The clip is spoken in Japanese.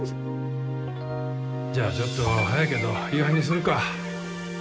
じゃあちょっと早いけど夕飯にするか。